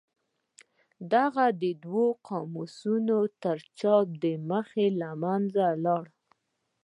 دغه دوه قاموسونه تر چاپ د مخه له منځه لاړل.